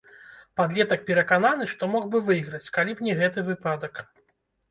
Падлетак перакананы, што мог бы выйграць, калі б не гэты выпадак.